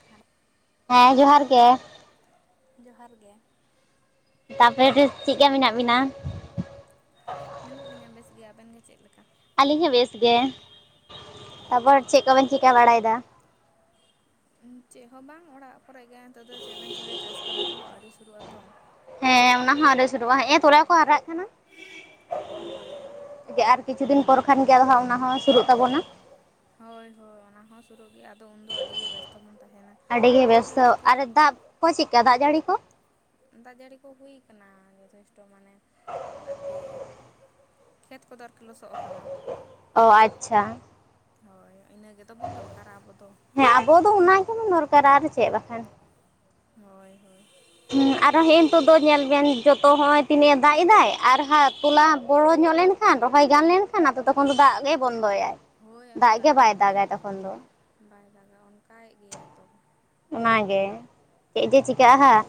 [unintelligible] ᱦᱮᱸ ᱡᱚᱦᱟᱨ ᱜᱮ᱾ ᱡᱚᱦᱟᱨ ᱜᱮ, ᱛᱟᱯᱚᱨᱮ ᱪᱮᱫ ᱞᱮᱠᱟ ᱢᱮᱱᱟᱜ ᱵᱤᱱᱟ? ᱢᱮᱱᱟᱜ ᱞᱤᱧᱟ ᱵᱮᱥ ᱜᱮ, ᱟᱵᱮᱱ ᱜᱮ ᱪᱮᱫ ᱞᱮᱠᱟ? ᱟᱹᱞᱤᱧ ᱦᱚᱸ ᱵᱮᱥ ᱜᱮ, ᱛᱟᱯᱚᱨ ᱟᱪᱪᱷᱟ ᱪᱮᱫ ᱠᱚᱵᱮᱱ ᱪᱤᱠᱟᱹ ᱵᱟᱲᱟᱭᱮᱫᱟ? ᱪᱮᱫ ᱦᱚᱸ ᱵᱟᱝ ᱚᱲᱟᱜ ᱠᱚᱨᱮ ᱜᱮ ᱱᱤᱛᱚᱜ ᱫᱚ ᱪᱮᱫ ᱵᱟᱝ ᱪᱮᱟᱭ ᱪᱟᱥ ᱠᱟᱹᱢᱤ ᱠᱚᱦᱚᱸ ᱟᱹᱣᱨᱤ ᱥᱩᱨᱩᱜᱼᱟ ᱛᱚ᱾ ᱦᱮᱸ ᱚᱱᱟ ᱦᱚᱸ ᱟᱞᱮ ᱥᱩᱨᱚᱜᱼᱟ ᱦᱮ ᱛᱚᱞᱟ ᱠᱚ ᱦᱟᱨᱟᱜ ᱠᱟᱱᱟ᱾ ᱦᱳᱭ᱾ ᱟᱨ ᱠᱤᱪᱷᱩ ᱫᱤᱱ ᱯᱚᱨ ᱠᱷᱟᱱᱜᱮ ᱟ ᱚᱱᱟ ᱦᱚᱸᱚᱸ ᱥᱩᱨᱩᱜ ᱛᱟᱵᱚᱱᱟ᱾ ᱦᱳᱭ ᱦᱳᱭ ᱚᱱᱟ ᱦᱚᱸ ᱥᱩᱨᱩᱜ ᱜᱮ ᱟᱫᱚ ᱩᱱᱫᱚ ᱟᱹᱰᱤᱜᱮ ᱵᱮᱥᱛᱚ ᱵᱚᱱ ᱛᱟᱦᱮᱱᱟ᱾ ᱟᱹᱰᱤ ᱜᱮ ᱱᱚᱜᱼᱚᱭ ᱵᱮᱵᱛᱟ ᱟᱨᱠᱤ ᱟᱨ ᱫᱟᱜ ᱠᱚ ᱪᱮᱫᱠᱟ ᱫᱟᱜ ᱡᱟᱹᱲᱤ ᱠᱚ? ᱫᱟᱜ ᱡᱟᱹᱲᱤ ᱠᱚ ᱦᱩᱭ ᱟᱠᱟᱱᱟ ᱡᱚᱛᱷᱮᱥᱴᱚ ᱢᱟᱱᱮ ᱟᱨᱠᱤ ᱠᱷᱮᱛ ᱠᱚᱫᱚ ᱟᱨᱠᱤ ᱞᱚᱥᱚᱜ ᱠᱟᱱᱟ᱾ ᱚ ᱟᱪᱪᱷᱟ ᱦᱳᱭ ᱤᱱᱟᱹ ᱜᱮ ᱛᱟᱵᱚᱱ ᱫᱚᱨᱠᱟᱨᱟ ᱟᱵᱚ ᱫᱚ᱾ ᱦᱮᱸ ᱟᱵᱚ ᱫᱚ ᱚᱱᱟ ᱜᱮᱵᱚᱱ ᱫᱚᱨᱠᱟᱨᱟ ᱟᱨ ᱪᱮᱜ ᱵᱟᱠᱷᱟᱱ᱾ ᱦᱳᱭ ᱦᱳᱭ᱾ ᱦᱮᱸ ᱟᱨᱚ ᱦᱮᱜ ᱱᱤᱛᱚᱜ ᱫᱚ ᱧᱮᱞ ᱵᱮᱱ ᱡᱚᱛᱚ ᱦᱚᱜ ᱚᱭ ᱛᱤᱱᱟᱹᱜ ᱮ ᱫᱟᱜ ᱮᱫᱟᱭ ᱟᱨ ᱦᱟᱸᱜ ᱛᱚᱞᱟ ᱵᱚᱲᱚ ᱧᱚᱜ ᱞᱮᱱ ᱠᱷᱟᱱ ᱨᱚᱦᱚᱭ ᱜᱟᱱ ᱞᱮᱱᱠᱷᱟᱱ ᱟᱫᱚ ᱛᱚᱠᱷᱚᱱ ᱫᱚ ᱫᱟᱜ ᱜᱮᱭ ᱵᱚᱱᱫᱚᱭᱟᱭ ᱦᱳᱭ ᱟᱫᱚ ᱫᱟᱜ ᱜᱮ ᱵᱟᱭ ᱫᱟᱜᱟ ᱵᱚᱱᱫᱚᱭᱟ ᱛᱚᱠᱷᱚᱱ ᱫᱚ᱾ ᱵᱟᱭ ᱫᱟᱜᱟ ᱚᱱᱠᱟᱭᱮᱜ ᱜᱮᱭᱟᱭ ᱛᱚ᱾ ᱚᱱᱟᱜᱮ ᱪᱮᱜ ᱡᱮ ᱪᱤᱠᱟᱹᱜ ᱦᱟᱸᱜ᱾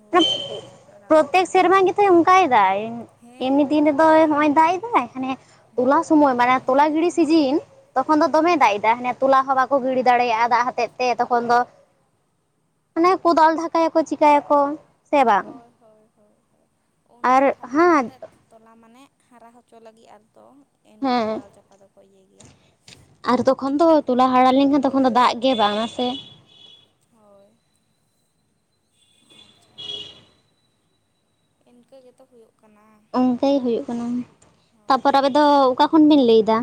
ᱦᱳᱭ ᱪᱮᱫ ᱪᱚᱭ ᱪᱤᱠᱟᱹᱜᱼᱟ ᱟᱨ ᱟᱞᱚᱵᱮᱱ ᱯᱨᱚᱛᱛᱮᱠ ᱞᱟᱹᱭᱟ ᱥᱮᱨᱢᱟ ᱜᱮᱛᱚᱭ ᱚᱝᱠᱟᱭᱮᱫᱟᱭ ᱮᱢᱱᱤ ᱦᱮᱸ ᱫᱤᱱ ᱯᱨᱚᱛᱮᱠ ᱨᱮᱫᱚᱭ ᱦᱚᱜᱼᱚᱭ ᱥᱮᱨᱢᱟ ᱫᱟᱜ ᱮᱫᱟᱭ᱾ ᱢᱟᱱᱮ ᱛᱚᱞᱟ ᱦᱮᱸ ᱥᱚᱢᱚᱭ ᱢᱟᱱᱮ ᱦᱟᱱᱮ ᱛᱚᱞᱟ ᱜᱤᱲᱤ ᱡᱚᱠᱷᱚᱱ ᱥᱤᱡᱤᱱ ᱛᱚᱠᱷᱚᱱ ᱫᱚ ᱫᱚᱢᱮ ᱫᱟᱜ ᱮᱫᱟ ᱦᱟᱱᱮ ᱛᱚᱞᱟ ᱦᱚᱸ ᱵᱟᱠᱚ ᱜᱤᱲᱤ ᱫᱟᱲᱮᱭᱟᱜᱼᱟ ᱫᱟᱜ ᱦᱚᱛᱮᱡ ᱛᱮ ᱛᱚᱠᱷᱚᱱ ᱫᱚ ᱦᱟᱱᱮ ᱠᱚᱫᱟᱞ ᱫᱷᱟᱠᱟᱭᱟᱠᱚ ᱪᱤᱠᱟᱹᱭᱟᱠᱚ, ᱥᱮ ᱵᱟᱝ ᱦᱳᱭ ᱦᱳᱭ ᱦᱳᱭ ᱩᱱᱫᱚ ᱟᱨ ᱡᱟᱦᱟᱸ ᱞᱮᱠᱟ ᱦᱟᱸ ᱠᱟᱛᱮᱫ ᱛᱚᱞᱟ ᱢᱟᱱᱮᱜ ᱦᱟᱨᱟ ᱦᱚᱪᱚ ᱞᱟᱹᱜᱤᱜ ᱟᱨᱛᱚ ᱤᱱᱠᱟᱹ ᱦᱮᱸ ᱠᱚᱫᱟᱞ ᱪᱟᱯᱟ ᱫᱚᱠᱚ ᱤᱭᱟᱹᱭ ᱜᱮᱭᱟ᱾ ᱟᱨ ᱛᱚᱠᱷᱚᱱ ᱫᱚ ᱛᱚᱞᱟ ᱦᱟᱲᱟ ᱞᱮᱝᱠᱷᱟᱱ ᱛᱚᱠᱷᱚᱱ ᱫᱚ ᱫᱟᱜ ᱜᱮ ᱵᱟᱝᱟ ᱥᱮ᱾ ᱦᱳᱭ᱾ ᱟᱪᱪᱷᱟ ᱤᱱᱠᱟᱹ ᱜᱮᱛᱚ ᱦᱩᱭᱩᱜ ᱠᱟᱱᱟ᱾ ᱤᱝᱠᱟᱹ ᱜᱮ ᱦᱩᱭᱩᱜ ᱠᱟᱱᱟ, ᱦᱳᱭ ᱛᱟᱯᱚᱨ ᱟᱵᱮᱫᱚ ᱚᱠᱟ ᱠᱷᱚᱱ ᱵᱤᱱ ᱞᱟᱹᱭᱫᱟ?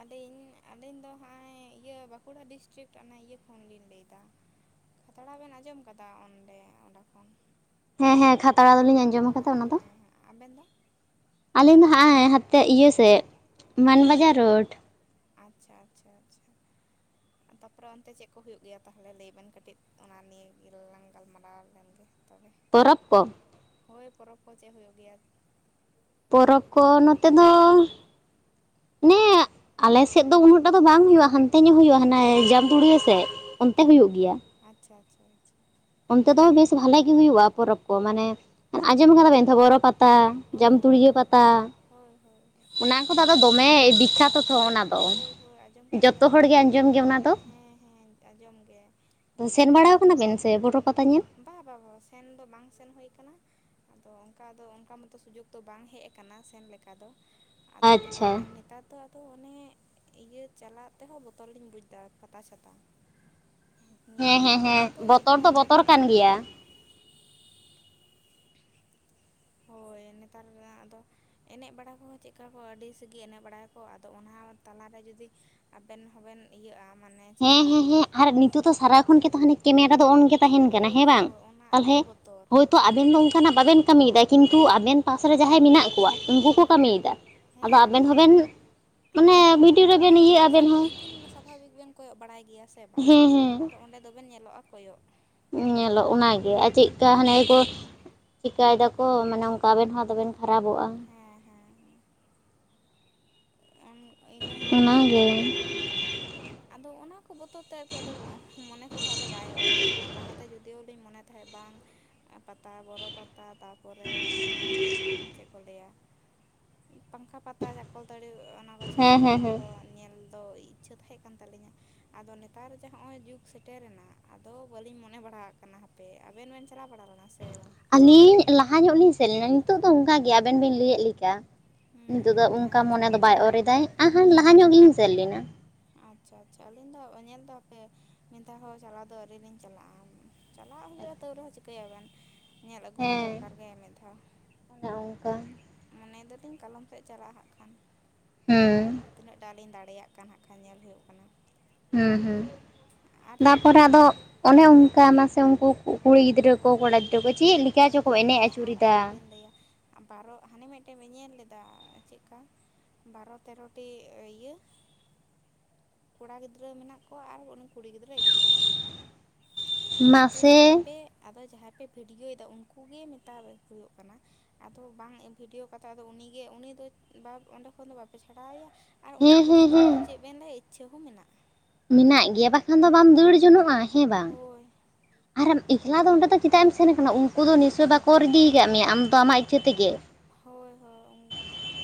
ᱟᱹᱞᱤᱧ ᱟᱹᱞᱤᱧ ᱫᱚ ᱦᱟᱸᱜᱼᱟᱭ ᱤᱭᱟᱹ ᱵᱟᱸᱠᱩᱲᱟ ᱰᱤᱥᱴᱨᱤᱠᱴ ᱚᱱᱟ ᱤᱭᱟᱹ ᱠᱷᱚᱱᱞᱤᱧ ᱞᱟᱹᱭᱫᱟ᱾ ᱠᱷᱟᱛᱲᱟ ᱵᱮᱱ ᱟᱸᱡᱚᱢ ᱠᱟᱫᱟ ᱚᱸᱰᱮ ᱚᱸᱰᱮ ᱠᱷᱚᱱ᱾ ᱦᱮᱸ ᱦᱮᱸ ᱠᱷᱟᱛᱲᱟ ᱫᱚᱞᱤᱧ ᱟᱸᱡᱚᱢ ᱟᱠᱟᱫᱟ ᱚᱱᱟ ᱦᱮᱸ ᱫᱚ ᱦᱮᱸ ᱦᱮᱸ, ᱟᱵᱮᱱ ᱫᱚ? ᱟᱹᱞᱤᱧ ᱫᱚ ᱦᱟᱸᱜᱼᱟᱭ ᱦᱟ ᱛᱮ ᱤᱭᱟᱹ ᱥᱮᱫ, ᱢᱟᱱᱵᱟᱡᱟᱨ ᱨᱳᱰ᱾ ᱟᱪᱪᱷᱟ ᱟᱪᱪᱷᱟ ᱟᱪᱪᱷᱟ᱾ [inaudible] ᱛᱟᱯᱚᱨᱮ ᱚᱱᱛᱮ ᱪᱮᱜ ᱠᱚ ᱦᱩᱭᱩᱜ ᱜᱮᱭᱟ ᱛᱟᱦᱚᱞᱮ ᱞᱮᱭ ᱵᱮᱱ ᱠᱟᱹᱴᱤᱡ, ᱚᱱᱟ ᱱᱤᱭᱮ ᱜᱮᱞᱟᱝ ᱜᱟᱞᱢᱟᱨᱟᱣ ᱞᱮᱱ ᱜᱮ ᱛᱚᱵᱮ᱾ ᱯᱚᱨᱚᱵᱽ ᱠᱚ? ᱦᱳᱭ ᱯᱚᱨᱚᱵᱽ ᱠᱚ ᱪᱮᱜ ᱦᱳᱭᱳᱜ ᱜᱮᱭᱟ? ᱯᱚᱨᱚᱵᱽ ᱠᱚ ᱱᱚᱛᱮ ᱫᱚ, ᱱᱮ ᱟᱞᱮ ᱥᱮᱫ ᱫᱚ ᱩᱱᱟᱹᱜ ᱴᱟ ᱫᱚ ᱵᱟᱝ ᱦᱩᱭᱩᱜᱼᱟ ᱦᱟᱱᱛᱮ ᱧᱚᱜ ᱦᱩᱭᱩᱜᱼᱟ ᱦᱟᱱᱮ ᱡᱟᱢᱛᱩᱲᱤᱭᱟᱹ ᱥᱮᱫ ᱚᱱᱛᱮ ᱦᱩᱭᱩᱜ ᱜᱮᱭᱟ᱾ ᱟᱪᱪᱷᱟ ᱟᱪᱪᱷᱟ ᱟᱪᱪᱷᱟ᱾ ᱚᱱᱛᱮ ᱫᱚ ᱵᱮᱥ ᱵᱷᱟᱞᱮ ᱜᱮ ᱦᱩᱭᱩᱜᱼᱟ ᱯᱚᱨᱚᱵᱽ ᱠᱚ ᱢᱟᱱᱮ ᱟᱸᱡᱚᱢ ᱠᱟᱫᱟ ᱵᱮᱱ ᱛᱚ ᱵᱚᱨᱚ ᱯᱟ ᱛᱟ ᱦᱳᱭ ᱦᱳᱭ ᱡᱟᱢᱛᱩᱲᱩᱭᱟᱹ ᱦᱳᱭ ᱯᱟᱛᱟ᱾ ᱦᱳᱭ ᱦᱳᱭ ᱦᱳᱭ ᱚᱱᱟ ᱠᱚᱫᱚ ᱟᱫᱚ ᱫᱚᱢᱮ ᱵᱤᱠᱠᱷᱟᱛᱚ ᱛᱚ ᱟᱸᱡᱚᱢ ᱚᱱᱟ ᱫᱚ, ᱦᱳᱭ ᱦᱳᱭ ᱟᱸᱡᱚᱢ ᱠᱟᱜ ᱡᱚᱛᱚ ᱦᱚᱲ ᱜᱮᱭᱟᱞᱤᱧ ᱜᱮ ᱟᱸᱡᱚᱢ ᱜᱮ ᱚᱱᱟ ᱫᱚ ᱦᱮᱸ ᱦᱮᱸ ᱟᱸᱡᱚᱢ ᱜᱮ᱾ ᱥᱮᱱ ᱵᱟᱲᱟᱣ ᱦᱳᱭ ᱠᱟᱱᱟ ᱵᱮᱱ ᱥᱮ ᱵᱚᱨᱚ ᱯᱟᱛᱟ ᱧᱮᱞ? ᱵᱟ ᱵᱟ ᱵᱟ ᱵᱟ ᱥᱮᱱ ᱫᱚ ᱵᱟᱝ ᱥᱮᱱ ᱦᱩᱭ ᱠᱟᱱᱟ᱾ ᱛᱚ ᱚᱱᱠᱟ ᱫᱚ ᱚᱱᱠᱟ ᱢᱚᱛᱚ ᱥᱩᱡᱳᱜ ᱫᱚ ᱵᱟᱝ ᱦᱮᱡ ᱠᱟᱱᱟ ᱥᱮᱱ ᱞᱮᱠᱟ ᱫᱚ, ᱟᱫᱚ ᱛᱚᱵᱮ ᱟᱪᱪᱷᱟ ᱮᱢᱱᱤ ᱛᱟᱨ ᱫᱚ ᱟᱫᱚ ᱚᱱᱮ ᱤᱭᱟᱹ ᱪᱟᱞᱟᱜ ᱛᱮᱦᱚᱸ ᱵᱚᱛᱚᱨ ᱞᱤᱧ ᱵᱩᱡᱽᱫᱟ ᱯᱟᱛᱟ ᱪᱷᱟᱛᱟ᱾ ᱦᱮᱸ ᱦᱮᱸ ᱦᱮᱸ ᱵᱚᱛᱚᱨ ᱫᱚ ᱵᱚᱛᱚᱨ ᱠᱟᱱ ᱮᱱᱮᱜ ᱜᱮᱭᱟ ᱵᱟᱲᱟᱭᱟ᱾ ᱦᱳᱭ ᱱᱮᱛᱟᱨ ᱟᱫᱚ ᱮᱱᱮᱜ ᱵᱟᱲᱟ ᱠᱚᱦᱚᱸ ᱪᱮᱜᱠᱟ ᱠᱚ ᱟᱹᱰᱤ ᱥᱮᱜᱮ ᱮᱱᱮᱜ ᱵᱟᱲᱟ ᱠᱚ ᱟᱫᱚ ᱚᱱᱟ ᱛᱟᱞᱟᱨᱮ ᱡᱩᱫᱤ ᱟᱵᱮᱱ ᱦᱚᱸᱵᱮᱱ ᱤᱭᱟᱹᱜᱼᱟ ᱢᱟᱱᱮ ᱦᱮᱸ ᱪᱮᱜᱠᱟ ᱦᱮᱸ ᱦᱮᱸ ᱟᱨ ᱱᱤᱛᱳᱜ ᱫᱚ ᱥᱟᱨᱟ ᱠᱷᱚᱱᱜᱮ ᱛᱚ ᱦᱟᱱᱮ ᱠᱮᱢᱮᱨᱟ ᱫᱚ ᱚᱱ ᱜᱮ ᱛᱟᱦᱮᱱ ᱠᱟᱱᱟ ᱦᱳᱭ ᱦᱮᱸ ᱵᱟᱝ, ᱦᱳᱭ ᱚᱱᱟ ᱛᱟᱦᱚᱞᱮ ᱟᱨᱠᱤ ᱵᱚᱛᱚᱨ ᱦᱳᱭ ᱛᱚ ᱟᱵᱮᱱ ᱫᱚ ᱚᱱᱠᱟᱱᱟᱜ ᱵᱟᱵᱮᱱ ᱠᱟᱹᱢᱤᱭᱮᱫᱟ ᱠᱤᱱᱛᱩ ᱟᱵᱮᱱ ᱯᱟᱥ ᱨᱮ ᱡᱟᱦᱟᱸᱭ ᱢᱮᱱᱟᱜ ᱠᱚᱣᱟ, ᱩᱱᱠᱩ ᱠᱚ ᱦᱳᱭ ᱦᱳᱭ ᱠᱟᱹᱢᱤᱭᱮᱫᱟ, ᱟᱫᱚ ᱦᱮᱸ ᱟᱵᱮᱱ ᱦᱮᱸ ᱦᱚᱵᱮᱱ ᱢᱟᱱᱮ ᱦᱮᱸ ᱵᱷᱤᱰᱤᱭᱳ ᱟᱫᱚ ᱟᱫᱚ ᱨᱮᱵᱮᱱ ᱤᱭᱟᱹᱜᱼᱟ ᱟᱵᱮᱱ ᱦᱚᱸ᱾ ᱥᱟᱵᱷᱟᱵᱤᱠ ᱜᱮ ᱥᱟᱵᱷᱟᱵᱤᱠ ᱵᱮᱱ ᱠᱚᱭᱚᱜ ᱵᱟᱲᱟᱭ ᱜᱮᱭᱟ ᱥᱮ ᱵᱟᱝ, ᱦᱮᱸ ᱦᱮᱸ ᱟᱫᱚ ᱚᱸᱰᱮ ᱫᱚᱵᱮᱱ ᱧᱮᱞᱚᱜᱼᱟ ᱠᱚᱭᱚᱜ᱾ ᱧᱮᱞᱚᱜ ᱚᱱᱟᱜᱮ ᱟᱨ ᱪᱮᱜᱠᱟ ᱦᱟᱱᱮ ᱦᱳᱭ ᱠᱚ ᱪᱤᱠᱟᱹᱭ ᱫᱟᱠᱚ ᱢᱟᱱᱮ ᱚᱝᱠᱟ ᱟᱵᱮᱱ ᱦᱚᱸ ᱟᱫᱚ ᱵᱮᱱ ᱠᱷᱟᱨᱟᱵᱚᱜᱼᱟ᱾ ᱦᱮᱸ ᱦᱮᱸ ᱦᱮᱸ᱾ ᱚᱱᱟ ᱤᱱᱟᱹ ᱦᱩᱭᱩᱜ ᱠᱟᱱᱟ ᱚᱱᱟᱜᱮ ᱠᱟᱛᱷᱟ᱾ ᱟᱫᱚ ᱚᱱᱟ ᱠᱚ ᱵᱚᱛᱚᱨ ᱛᱮᱜᱮ ᱟᱫᱚ ᱢᱚᱱᱮ ᱠᱚᱦᱚᱸ ᱟᱫᱚ ᱵᱟᱭ ᱚᱨᱚᱜ ᱠᱟᱱᱟ ᱞᱟᱦᱟᱛᱮ ᱡᱚᱫᱤᱭᱳ ᱞᱤᱧ ᱢᱚᱱᱮ ᱛᱟᱦᱮᱸᱫ ᱵᱟᱝ ᱮᱸ ᱯᱟᱛᱟ ᱵᱚᱨᱚ ᱯᱟᱛ ᱛᱟ ᱛᱟᱯᱚᱨᱮ ᱚᱱᱮ ᱪᱮᱫ ᱠᱚ ᱞᱟᱹᱭᱟ, ᱯᱟᱝᱠᱷᱟ ᱯᱟᱛᱟ ᱪᱟᱠᱚᱞ ᱛᱟᱹᱲᱤ ᱚᱱᱟ ᱠᱚ ᱦᱮᱸ ᱪᱷᱟᱛᱟ ᱠᱚ ᱦᱮᱸ ᱚᱱᱟ ᱦᱮᱸ ᱠᱚ ᱧᱮᱞ ᱫᱚ ᱤᱪᱪᱷᱟᱹ ᱛᱟᱦᱮᱸ ᱠᱟᱱ ᱛᱟᱹᱟᱞᱤᱧᱟ᱾ ᱟᱫᱚ ᱱᱮᱛᱟᱨ ᱡᱟᱦᱟᱸ ᱱᱚᱜᱼᱚᱭ ᱡᱩᱜᱽ ᱥᱮᱴᱮᱨ ᱮᱱᱟ ᱟᱫᱚ ᱵᱟᱹᱞᱤᱧ ᱢᱚᱱᱮ ᱵᱟᱲᱟᱣᱟᱜ ᱠᱟᱱᱟ ᱦᱟ᱾ ᱯᱮ ᱟᱵᱤᱱ ᱵᱤᱱ ᱪᱟᱞᱟᱣ ᱵᱟᱲᱟ ᱞᱮᱱᱟ ᱥᱮ ᱵᱟᱝ? ᱟᱹᱞᱤᱧ ᱞᱟᱦᱟ ᱧᱚᱸᱜ ᱞᱤᱧ ᱥᱮᱱ ᱞᱮᱱᱟ ᱱᱤᱛᱚᱜ ᱫᱚ ᱚᱱᱠᱟ ᱜᱮ ᱟᱵᱤᱱ ᱵᱤᱱ ᱞᱟᱹᱭᱮᱫ ᱞᱮᱠᱟ? ᱱᱤᱛᱚᱜ ᱦᱩᱸ ᱫᱚ ᱚᱱᱠᱟ ᱟᱪᱪᱷᱟ ᱢᱚᱱᱮ ᱫᱚ ᱵᱟᱭ ᱚᱨᱮᱫᱟᱭ ᱟᱸᱦᱟ ᱞᱟᱦᱟ ᱧᱚᱜ ᱜᱤᱞᱤᱧ ᱥᱮᱱ ᱞᱮᱱᱟ᱾ ᱟᱪᱪᱷᱟ ᱟᱪᱪᱷᱟ ᱟᱹᱞᱤᱧ ᱫᱚ ᱧᱮᱞ ᱫᱚ ᱦᱟᱯᱮ ᱢᱤᱫ ᱫᱷᱟᱣ ᱦᱚᱸ ᱪᱟᱞᱟᱣ ᱫᱚ ᱟᱣᱨᱤ ᱞᱤᱧ ᱪᱟᱞᱟᱜᱼᱟ᱾ ᱪᱟᱞᱟᱜ ᱦᱩᱭᱩᱜᱼᱟ ᱛᱟᱹᱣ ᱨᱮᱦᱚᱸ ᱪᱤᱠᱟᱹᱭᱟᱵᱤᱱ ᱧᱮᱞ ᱟᱹᱜᱩᱢᱟ ᱦᱮᱸ ᱫᱚᱨᱠᱟᱨ ᱜᱮ ᱢᱤᱫ ᱫᱷᱟᱣ᱾ ᱚᱱᱮ ᱚᱱᱠᱟ᱾ ᱢᱚᱱᱮᱭᱮᱫᱟᱞᱤᱧ ᱠᱟᱞᱚᱢ ᱥᱮᱫ ᱪᱟᱞᱟᱜᱼᱟ ᱦᱟᱜ ᱠᱷᱟᱱ? ᱦᱩᱸ, ᱟᱨ ᱛᱤᱱᱟᱹᱜ ᱴᱟᱜ ᱞᱤᱧ ᱫᱟᱲᱮᱭᱟᱜ ᱠᱟᱱ ᱦᱟᱸᱜ ᱠᱷᱟᱱ ᱧᱮᱞ ᱦᱩᱭᱩᱜ ᱠᱟᱱᱟ᱾ ᱦᱩᱸ ᱦᱩᱸ, ᱟᱨ ᱪᱮᱫ ᱠᱚ ᱛᱟᱯᱚᱨᱮ ᱦᱩᱭᱩᱜ ᱟᱫᱚ ᱜᱮᱭᱟ ᱚᱱᱮ ᱚᱱᱠᱟ ᱢᱟᱥᱮ ᱩᱱᱠᱩ ᱠᱩᱲᱤ ᱜᱤᱫᱽᱨᱟᱹ ᱠᱚ ᱦᱳᱭ ᱠᱚᱲᱟ ᱜᱤᱫᱽᱨᱟᱹ ᱠᱚ ᱪᱮᱫ ᱞᱮᱠᱟ ᱪᱚ ᱠᱚ ᱮᱱᱮᱡ ᱟᱹᱪᱩ ᱨᱮᱫᱟ᱾ ᱞᱮᱭᱟ᱾ ᱵᱟᱨᱚ ᱦᱟᱱᱮ ᱢᱤᱫᱴᱮᱱ ᱵᱤ ᱧᱮᱞ ᱞᱮᱫᱟ ᱪᱮᱫᱠᱟ? ᱵᱟᱨᱚ ᱛᱮᱨᱚᱴᱤ ᱤᱭᱟᱹ, ᱠᱚᱲᱟ ᱜᱤᱫᱽᱨᱟᱹ ᱢᱮᱱᱟᱜ ᱠᱚᱣᱟ ᱟᱨ ᱩᱱᱤ ᱠᱩᱲᱤ ᱜᱤᱫᱽᱨᱟᱹ ᱮᱠᱞᱟ᱾ ᱟᱫᱚ ᱢᱟᱥᱮ ᱡᱟᱦᱟᱸᱭ ᱯᱮ᱾ ᱟᱫᱚ ᱡᱟᱦᱟᱸᱭ ᱯᱮ ᱵᱷᱤᱰᱤᱭᱳᱭ ᱮᱫᱟ ᱩᱱᱠᱩ ᱜᱮ ᱢᱮᱛᱟ ᱦᱩᱭᱩᱜ ᱠᱟᱱᱟ᱾ ᱟᱫᱚ ᱵᱟᱝ ᱵᱷᱤᱰᱤᱭᱳ ᱠᱟᱛᱮ ᱟᱫᱚ ᱩᱱᱤᱜᱮ ᱩᱱᱤ ᱫᱚ ᱚᱸᱰᱮ ᱠᱷᱚᱱ ᱫᱚ ᱵᱟᱯᱮ ᱪᱷᱟᱰᱟᱣ ᱮᱭᱟ᱾ ᱟᱨ ᱩᱱᱤ ᱦᱮᱸ ᱠᱩᱲᱤ ᱦᱮᱸ ᱜᱤᱫᱽᱨᱟᱹ ᱦᱮᱸ ᱦᱚᱸ ᱪᱮᱫ ᱵᱮᱱ ᱞᱟᱹᱭ ᱤᱪᱪᱷᱟᱹ ᱦᱚᱸ ᱢᱮᱱᱟᱜ᱾ ᱢᱮᱱᱟᱜ ᱜᱮᱭᱟ ᱵᱟᱠᱷᱟᱱ ᱫᱚ ᱵᱟᱢ ᱫᱟᱹᱲ ᱡᱚᱱᱚᱜᱼᱟ ᱦᱮᱸ ᱵᱟᱝ? ᱦᱳᱭ᱾ ᱟᱨᱮᱢ ᱮᱠᱞᱟ ᱫᱚ ᱚᱸᱰᱮ ᱫᱚ ᱪᱮᱫᱟᱜ ᱮᱢ ᱥᱮᱱ ᱟᱠᱟᱱᱟ ᱩᱱᱠᱩ ᱫᱚ ᱱᱤᱥᱪᱳᱭ ᱵᱟᱠᱚ ᱨᱤᱫᱤᱠᱟᱜ ᱢᱮᱭᱟ ᱟᱢᱫᱚ ᱟᱢᱟᱜ ᱤᱪᱪᱷᱟᱹ ᱛᱮᱜᱮ᱾ ᱦᱳᱭ ᱦᱳᱭ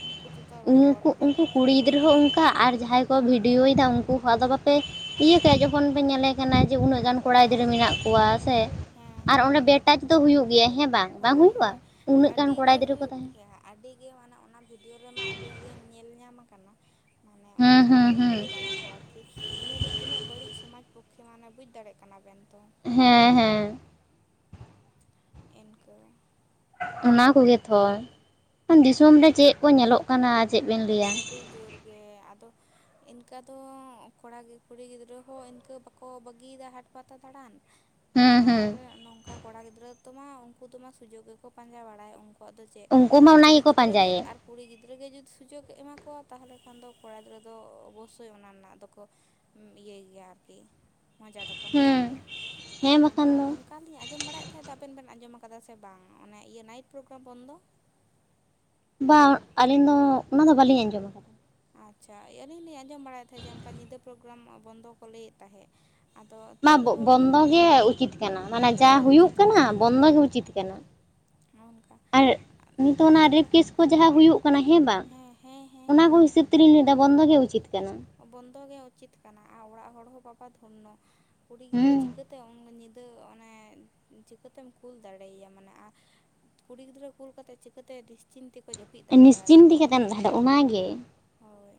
ᱩᱱᱠᱩ ᱫᱚ ᱛᱟᱭ ᱵᱟᱠᱚ ᱚᱨ ᱩᱱᱠᱩ ᱤᱫᱮᱭᱟ ᱩᱱᱠᱩ ᱟᱫᱚ ᱠᱩᱲᱤ ᱜᱤᱫᱽᱨᱟᱹ ᱦᱚᱸ ᱩᱱᱠᱩ, ᱚᱱᱠᱟ ᱟᱨ ᱡᱟᱦᱟᱸᱭ ᱠᱚ ᱵᱷᱤᱰᱤᱭᱳᱭ ᱮᱫᱟ ᱩᱱᱠᱩ ᱦᱚᱸ ᱟᱫᱚ ᱵᱟᱯᱮ ᱤᱭᱟᱹ ᱠᱟᱭᱟ ᱡᱚᱠᱷᱚᱱ ᱯᱮ ᱧᱮᱞᱮ ᱠᱟᱱᱟ ᱡᱮ ᱩᱱᱟᱹᱜ ᱜᱟᱱ ᱠᱚᱲᱟ ᱜᱤᱫᱽᱨᱟᱹ ᱦᱮᱸ ᱢᱮᱱᱟᱜ ᱠᱚᱣᱟ ᱥᱮ ᱦᱮᱸ ᱟᱨ ᱦᱮᱸ ᱚᱸᱰᱮ ᱦᱮᱸ ᱵᱮᱴᱟᱪ ᱫᱚ ᱦᱩᱭᱩᱜ ᱜᱮᱭᱟ ᱦᱮᱸ ᱵᱟᱝ? ᱵᱟᱝ ᱦᱳᱭ ᱦᱩᱭᱩᱜᱼᱟ ᱦᱳᱭ, ᱩᱱᱟᱹᱜ ᱜᱟᱱ ᱟᱹᱰᱤ ᱠᱚᱲᱟ ᱜᱮ ᱜᱤᱫᱽᱨᱟᱹ ᱠᱚ ᱦᱩᱭᱩᱜ ᱛᱟᱦᱮᱸ ᱜᱮᱭᱟ᱾ ᱟᱹᱰᱤ ᱜᱮ ᱢᱟᱱᱮ ᱚᱱᱟ ᱵᱷᱤᱰᱤᱭᱳ ᱨᱮᱢᱟ ᱟᱹᱰᱤ ᱜᱮ ᱧᱮᱞ ᱧᱟᱢ ᱠᱟᱱᱟ᱾ ᱢᱟᱱᱮ ᱦᱩᱸ ᱚᱱᱠᱟ ᱦᱩᱸ ᱦᱩᱸ ᱡᱚᱴᱮᱫ ᱵᱟᱲᱟ, ᱠᱚ ᱟᱨᱠᱤ ᱤᱱᱟᱹ ᱫᱚ ᱛᱤᱱᱟᱹᱜ ᱵᱟᱹᱲᱤᱡ ᱥᱚᱢᱟᱡᱽ ᱯᱚᱠᱠᱷᱮ ᱢᱟᱱᱮ ᱵᱩᱡᱽ ᱫᱟᱲᱮᱭᱟᱜ ᱠᱟᱱᱟ ᱵᱮᱱ ᱛᱚ᱾ ᱦᱮᱸ ᱦᱮᱸ᱾ ᱤᱱᱠᱟᱹ᱾ ᱚᱱᱟᱠᱚᱜᱮ ᱛᱷᱚ ᱫᱤᱥᱚᱢ ᱨᱮ ᱪᱮᱫ ᱠᱚ ᱧᱮᱞᱚᱜ ᱠᱟᱱᱟ ᱟᱨ ᱪᱮᱫ ᱵᱮᱱ ᱞᱟᱹᱭᱟ᱾ ᱡᱳᱨᱜᱮ ᱟᱫᱚ, ᱤᱱᱠᱟᱹ ᱫᱚ ᱠᱚᱲᱟ ᱜᱮ ᱠᱩᱲᱤ ᱜᱤᱫᱽᱨᱟᱹ ᱦᱚᱸ ᱤᱱᱠᱟᱹ ᱵᱟᱠᱚ ᱵᱟᱹᱜᱤ ᱫᱟ ᱦᱟᱴ ᱯᱟᱛᱟ ᱫᱟᱬᱟᱱ᱾ ᱦᱩᱸ ᱦᱩᱸ ᱟᱨ ᱱᱚᱝᱠᱟ ᱠᱚᱲᱟ ᱜᱤᱫᱽᱨᱟᱹ ᱛᱚᱢᱟ ᱩᱱᱠᱩ ᱫᱚᱢᱟ ᱥᱩᱡᱳᱜᱽ ᱜᱮᱠᱚ ᱯᱟᱸᱡᱟ ᱵᱟᱲᱟᱭᱟ ᱩᱱᱠᱩ, ᱟᱠᱣᱟᱜ ᱫᱚ ᱪᱮᱫ ᱩᱱᱠᱩ ᱢᱟ ᱟᱫᱚ ᱚᱱᱟ ᱠᱩᱲᱤ ᱜᱮᱠᱚ ᱜᱤᱫᱽᱨᱟᱹ ᱜᱮ ᱯᱟᱸᱡᱟᱭᱮᱫ ᱟᱨ ᱠᱩᱲᱤ ᱜᱤᱫᱽᱨᱟᱹᱜ ᱜᱮ ᱡᱩᱫᱤ ᱥᱩᱡᱳᱜᱽ ᱮᱢᱟ ᱠᱚᱣᱟ ᱛᱟᱦᱚᱞᱮ ᱠᱷᱟᱱ ᱫᱚ ᱠᱚᱲᱟ ᱜᱤᱫᱽᱨᱟᱹ ᱫᱚ ᱚᱵᱚᱥᱥᱳᱭ ᱚᱱᱟ ᱨᱮᱱᱟᱜ ᱫᱚᱠᱚ, ᱤᱭᱟᱹᱭ ᱜᱮᱭᱟ ᱟᱨᱠᱤ ᱢᱚᱡᱟ ᱫᱚᱠᱚ ᱦᱟᱛᱟᱣ ᱦᱩᱸ ᱜᱮᱭᱟ ᱦᱮᱸ ᱟᱫᱚ ᱵᱟᱠᱷᱟᱱ ᱫᱚ ᱩᱱ ᱚᱱᱠᱟᱞᱤᱧ ᱟᱸᱡᱚᱢ ᱵᱟᱲᱟᱭᱮᱫ ᱛᱟᱦᱮᱸ ᱫᱚ ᱟᱵᱮᱱ ᱵᱮᱱ ᱟᱸᱡᱚᱢ ᱟᱠᱟᱫᱟ ᱥᱮ ᱵᱟᱝ ᱚᱱᱮ ᱤᱭᱟᱹ ᱱᱟᱭᱤᱴ ᱯᱨᱳᱜᱨᱟᱢ ᱵᱚᱱᱫᱚ᱾ ᱵᱟᱝ ᱟᱹᱞᱤᱧ ᱫᱚ ᱚᱱᱟᱫᱚ ᱵᱟᱹᱞᱤᱧ ᱟᱸᱡᱚᱢ ᱠᱟᱫᱟ᱾ ᱟᱪᱪᱷᱟ ᱟᱹᱞᱤᱧ ᱞᱤᱧ ᱟᱸᱡᱚᱢ ᱵᱟᱲᱟᱭᱮᱫ ᱛᱟᱦᱮᱸᱫ ᱡᱮ ᱚᱱᱠᱟ ᱧᱤᱫᱟᱹ ᱯᱨᱳᱜᱨᱟᱢ ᱵᱚᱱᱫᱚ ᱠᱚ ᱞᱟᱹᱭᱮᱫ ᱛᱟᱦᱮᱸᱫ᱾ ᱟᱫᱚ ᱢᱟ ᱛᱟᱹᱣ ᱨᱮᱦᱚᱸ ᱵᱚᱱᱫᱚ ᱜᱮ ᱩᱪᱤᱛ ᱠᱟᱱᱟ ᱢᱟᱱᱮ ᱵᱚᱱᱫᱚ ᱡᱟ ᱜᱮ ᱦᱩᱭᱩᱜ ᱩᱪᱤᱛ ᱠᱟᱱᱟ ᱵᱚᱱᱫᱚ ᱦᱳᱭ ᱜᱮ ᱩᱪᱤᱛ ᱠᱟᱱᱟ᱾ ᱚᱱᱠᱟ ᱟᱨ ᱱᱤᱛᱳᱜ ᱚᱱᱟ ᱨᱮᱯ ᱚᱱᱠᱟ ᱠᱮᱥ, ᱠᱚ ᱡᱟᱦᱟᱸ ᱦᱩᱭᱩᱜ ᱠᱟᱱᱟ ᱦᱮᱸ ᱵᱟᱝ, ᱦᱮᱸ ᱦᱮᱸ ᱚᱱᱟ ᱠᱚ ᱦᱮᱸ ᱦᱤᱥᱟᱹᱵᱽ ᱛᱮᱞᱤᱧ ᱞᱟᱹᱭᱮᱫ-ᱟ᱾ ᱵᱚᱱᱫᱚ ᱜᱮ ᱩᱪᱤᱛ ᱠᱟᱱᱟ᱾ ᱵᱚᱱᱫᱚ ᱜᱮ ᱩᱪᱤᱛ ᱠᱟᱱᱟ᱾ ᱟᱨ ᱚᱲᱟᱜ ᱦᱚᱲ ᱦᱚᱸ ᱵᱟᱵᱟ ᱫᱽᱷᱚᱱᱱᱚ ᱠᱩᱲᱤ ᱜᱤᱫᱽᱨᱟᱹ ᱦᱩᱸ ᱪᱤᱠᱟᱹᱛᱮ ᱩᱱ ᱧᱤᱫᱟᱹ ᱛᱟᱹ ᱚᱱᱮ ᱪᱤᱠᱟᱹᱛᱮᱢ ᱠᱩᱞ ᱫᱟᱲᱮᱭᱟᱭ-ᱟ᱾ ᱢᱟᱱᱮ ᱠᱩᱲᱤ ᱜᱤᱫᱽᱨᱟᱹ ᱠᱩᱞ ᱠᱟᱛᱮᱜ ᱪᱤᱠᱟᱹᱛᱮ, ᱱᱤᱥᱪᱤᱱ ᱛᱮ ᱠᱚ ᱡᱟᱹᱯᱤᱫ ᱫᱟᱲᱮᱭᱟᱜᱼᱟ᱾ ᱱᱤᱥᱪᱤᱱᱛᱤ ᱟᱭᱳᱼᱵᱟᱵᱟ ᱠᱟᱛᱮᱢ ᱦᱚᱸ ᱛᱟᱦᱮᱱᱟ ᱚᱱᱟᱜᱮ ᱦᱳᱭ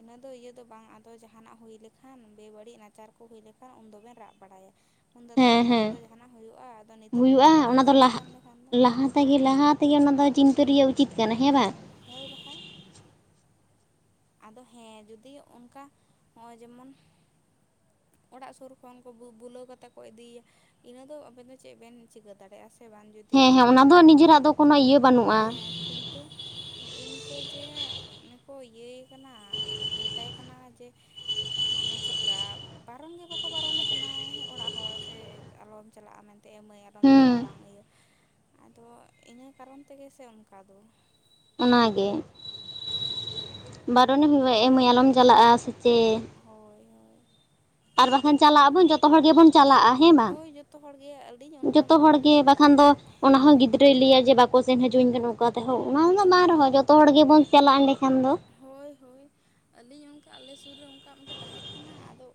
ᱤᱱᱟᱹ ᱫᱚ ᱤᱭᱟᱹ ᱫᱚ ᱵᱟᱝ, ᱟᱫᱚ ᱡᱟᱦᱟᱱᱟᱼᱜ ᱦᱩᱭ ᱞᱮᱠᱷᱟᱱ ᱵᱮᱼᱵᱟᱹᱲᱤᱡ ᱱᱟᱪᱟᱨ ᱠᱚ ᱦᱩᱭ ᱞᱮᱠᱷᱟᱱ, ᱩᱱ ᱫᱚᱵᱮᱱ ᱨᱟᱜ ᱵᱟᱲᱟᱭ-ᱟ᱾ ᱩᱱ ᱫᱚ ᱟᱫᱟ ᱨᱟᱜ ᱦᱮᱸ ᱠᱟᱛᱮᱫ ᱦᱮᱸ ᱫᱚ ᱡᱟᱦᱟᱱᱟᱜ ᱦᱩᱭᱩᱜᱼᱟ᱾ ᱟᱫᱚ ᱱᱤᱛᱚᱜ ᱠᱷᱚᱱ ᱵᱟᱵᱮᱱ ᱥᱟᱵᱫᱷᱟᱱ ᱞᱮᱠᱷᱟᱱ ᱫᱚ᱾ ᱟᱯᱮᱜᱮ ᱜᱮ ᱞᱟᱦᱟ ᱛᱮᱜᱮ ᱚᱱᱟ ᱫᱚ, ᱪᱤᱱᱛᱟᱹ ᱨᱮᱭᱟᱜ ᱩᱪᱤᱛ ᱠᱟᱱᱟ ᱾ᱦᱮᱸ ᱵᱟᱝ? ᱦᱮᱸ ᱵᱟᱠᱷᱽᱟᱡ ᱾ ᱟᱫᱚ ᱦᱮᱸ ᱡᱩᱫᱤ ᱚᱱᱠᱟ, ᱦᱚᱸᱜᱼᱚᱭ ᱡᱮᱢᱚᱱ ᱚᱲᱟᱜ ᱥᱩᱨ ᱠᱷᱚᱱ ᱠᱚ ᱵᱩᱞᱟᱹᱣ ᱠᱟᱛᱮ ᱠᱚ ᱤᱫᱤᱭᱮᱭ-ᱟ᱾ ᱤᱱᱟᱹ ᱫᱚ ᱟᱵᱮᱱ ᱫᱚ, ᱪᱮᱫ ᱵᱮᱱ ᱪᱤᱠᱟᱹ ᱫᱟᱲᱮᱭᱟ-ᱟ ᱥᱮ? ᱥᱮ ᱵᱟᱝ ᱡᱩᱫᱤ ᱦᱮᱸ ᱚᱱᱠᱟ ᱦᱮᱸ ᱚᱱᱟ ᱵᱟᱝ ᱫᱚ ᱵᱟᱲᱟᱭ ᱱᱤᱡᱮᱨᱟᱜ ᱫᱚ ᱠᱳᱱᱳ ᱤᱭᱟᱹ ᱵᱟᱹᱱᱩᱜᱼᱟ ᱦᱮᱸ ᱠᱤᱱᱛᱩ ᱛᱚ ᱦᱮᱸ ᱤᱱᱠᱟᱹ ᱡᱮ ᱚᱱᱮᱠᱚ ᱤᱭᱟᱹᱭ ᱠᱟᱱᱟ᱾ ᱢᱮᱛᱟᱭ ᱠᱟᱱᱟ ᱡᱮ ᱢᱟᱱᱮ ᱪᱮᱫᱠᱟ, ᱵᱟᱨᱚᱱ ᱜᱮ ᱵᱟᱠᱚ ᱵᱟᱨᱚᱱᱮ ᱠᱟᱱᱟ ᱾ ᱚᱲᱟᱜ ᱦᱚᱲ ᱥᱮ ᱟᱞᱚᱢ ᱪᱟᱞᱟᱜᱼᱟ ᱢᱮᱱᱛᱮ᱾ ᱛᱮ ᱮᱸ ᱢᱟᱹᱭ ᱟᱞᱚᱢ ᱪᱟᱞᱟᱜᱼᱟ᱾ ᱦᱩᱸ ᱵᱟᱝ ᱤᱭᱟᱹ ᱟᱫᱚ ᱤᱱᱟᱹ ᱠᱟᱨᱚᱱ ᱛᱮᱜᱮ ᱥᱮ ᱚᱱᱠᱟᱫᱚ᱾ ᱚᱱᱟᱜᱮ ᱵᱟᱨᱚᱱ ᱮᱢ ᱮᱸ ᱢᱟᱹᱭ ᱟᱞᱚᱢ ᱪᱟᱞᱟᱜᱼᱟ, ᱥᱮᱪᱮᱫ? ᱦᱳᱭ ᱦᱳᱭ ᱟᱨ ᱵᱟᱠᱷᱟᱱ ᱮᱸᱰᱮᱠᱷᱟᱱ ᱪᱟᱞᱟᱜ ᱟᱵᱚᱱ, ᱡᱷᱚᱛᱚ ᱦᱚᱲ ᱜᱮᱵᱚᱱ ᱪᱟᱞᱟᱜᱼᱟ᱾ ᱦᱮᱸ ᱵᱟᱝ ᱦᱳᱭ ᱡᱚᱛᱚ ᱦᱚᱲᱜᱮ ᱟᱹᱞᱤᱧ ᱚᱱᱠᱟ ᱡᱷᱚᱛᱚ ᱢᱤᱫ ᱦᱚᱲ ᱫᱷᱟᱣ ᱜᱮ ᱞᱤᱧ ᱵᱟᱠᱷᱟᱱ ᱫᱚ ᱚᱱᱟ ᱦᱮᱸ ᱦᱚᱸ ᱜᱤᱫᱽᱨᱟᱹ ᱜᱤᱫᱽᱨᱹᱟ ᱞᱮᱭᱟᱭ ᱡᱮ ᱵᱟᱠᱚ ᱥᱮᱱ ᱦᱚᱪᱚᱸ ᱟᱹᱧ ᱠᱟᱱᱟ᱾ ᱚᱱᱠᱟ ᱛᱮᱦᱚᱸ ᱚᱱᱟ ᱩᱱᱟᱹ ᱵᱟᱝ ᱨᱮᱦᱚᱸ ᱡᱷᱚᱛᱚ ᱦᱚᱲ ᱜᱮᱵᱚᱱ ᱪᱟᱞᱟᱜ ᱮᱸᱰᱮᱠᱷᱟᱱ ᱫᱚ᱾ ᱦᱳᱭ, ᱦᱳᱭ ᱟᱹᱞᱤᱧ ᱚᱱᱠᱟ ᱟᱞᱮ ᱥᱩᱨ ᱨᱮ ᱚᱱᱠᱟ ᱢᱤᱫᱴᱮᱱ ᱛᱟᱦᱮᱸ ᱠᱟᱱᱟᱭ ᱟᱫᱚ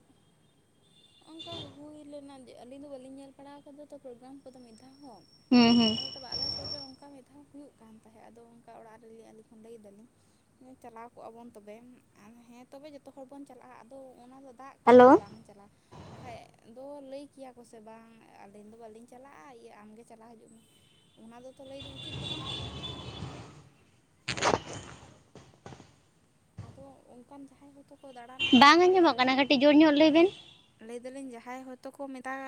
ᱱᱚᱝᱠᱟ ᱦᱩᱭ ᱞᱮᱱᱟ, ᱟᱹᱞᱤᱧ ᱫᱚ ᱵᱟᱹᱞᱤᱧ ᱧᱮᱞ ᱵᱟᱲᱟᱣ ᱟᱠᱟᱫᱟ ᱛᱚ᱾ ᱯᱨᱳᱜᱨᱟᱢ ᱠᱚᱫᱚ ᱢᱤᱫ ᱫᱷᱟᱣ ᱦᱚᱸ᱾ ᱦᱩᱸ ᱦᱩᱸ ᱟᱫᱚ ᱛᱚᱵᱮ ᱟᱞᱮ ᱥᱩᱨ ᱨᱮ ᱚᱱᱠᱟ ᱢᱤᱫ ᱫᱷᱟᱣ ᱦᱩᱭᱩᱜ ᱠᱟᱱ ᱛᱟᱦᱮᱸᱫ᱾ ᱟᱫᱚ ᱚᱱᱠᱟ ᱚᱲᱟᱜ ᱨᱮᱞᱤᱧ ᱟᱹᱞᱤᱧ ᱞᱟᱹᱭᱮ ᱫᱟᱞᱤᱧ᱾ ᱪᱟᱞᱟᱣ ᱠᱚᱜᱼᱟ ᱵᱚᱱ ᱛᱚᱵᱮ, ᱟᱨ ᱦᱮᱸ ᱛᱚᱵᱮ ᱡᱷᱚᱛᱚ ᱦᱚᱲ ᱵᱚᱱ ᱪᱟᱞᱟᱜᱼᱟ᱾ ᱟᱫᱚ ᱚᱱᱟ ᱫᱚ ᱫᱟᱜ ᱦᱮᱞᱳ ᱠᱮᱫᱟᱭ ᱵᱟᱝ ᱪᱟᱞᱟᱜ ᱵᱟᱠᱷᱟᱡ ᱫᱚ ᱞᱟᱹᱭ ᱠᱮᱭᱟ ᱠᱚᱥᱮ ᱵᱟᱝ ᱟᱹᱞᱤᱧ ᱫᱚ ᱵᱟᱹᱞᱤᱧ ᱪᱟᱞᱟᱜᱼᱟ᱾ ᱤᱭᱟᱹ ᱟᱢᱜᱮ ᱪᱟᱞᱟᱣ ᱦᱤᱡᱩᱜ ᱢᱮ? ᱚᱱᱟ ᱫᱚ ᱛᱚ ᱞᱟᱹᱭ ᱫᱚ ᱩᱪᱤᱛ ᱫᱚ ᱵᱟᱝ ᱠᱟᱱᱟ? [inaudible] ᱟᱫᱚ ᱚᱱᱠᱟᱱ ᱡᱟᱦᱟᱸᱭ ᱦᱚᱭᱛᱳ ᱠᱚ ᱫᱟᱬᱟᱸᱱᱟ ᱵᱟᱝ ᱾ᱩᱱᱠᱩ ᱟᱨ ᱟᱸᱡᱚᱢᱚᱜ ᱨᱮᱱ ᱠᱟᱱᱟ ᱠᱟᱹᱴᱤᱡ ᱡᱳᱨ ᱧᱚᱜ ᱞᱟᱹᱭ ᱵᱮᱱ ᱞᱟᱹᱭ ᱫᱟᱞᱤᱧ ᱡᱟᱦᱟᱸᱭ ᱦᱚᱭᱛᱚ ᱠᱚ ᱢᱮᱛᱟᱜ,